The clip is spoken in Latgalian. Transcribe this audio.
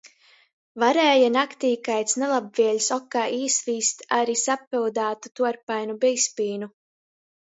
Varēja naktī kaids nalabvieļs okā īsvīst ari sapyudātu, tuorpainu bīzpīnu.